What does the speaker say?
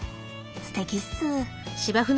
すてきっす。